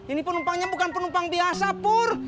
ini penumpangnya bukan penumpang biasa pur